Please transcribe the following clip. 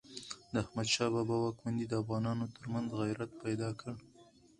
د احمد شاه بابا واکمني د افغانانو ترمنځ عزت پیدا کړ.